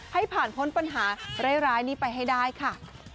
ให้ผ่านพ้นปัญหาร้ายนี้ไปให้ได้ค่ะ